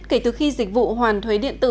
kể từ khi dịch vụ hoàn thuế điện tử